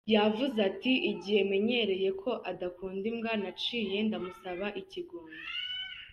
Yavuze ati: "Igihe menyeye ko adakunda imbwa, naciye ndamusaba ikigongwe.